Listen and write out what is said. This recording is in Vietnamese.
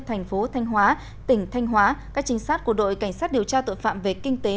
thành phố thanh hóa tỉnh thanh hóa các trinh sát của đội cảnh sát điều tra tội phạm về kinh tế